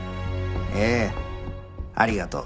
ええありがとう。